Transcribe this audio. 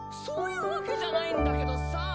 そういうわけじゃないんだけどさ！